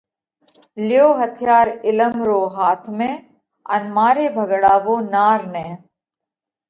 ليو هٿيار عِلم رو هاٿ ۾ ان ماري ڀڳڙاوو نار نئہ!